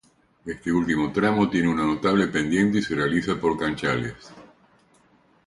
Este último tramo tiene una notable pendiente y se realiza por canchales.